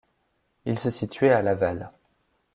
Il se situait à Laval.